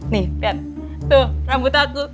nih dan tuh rambut aku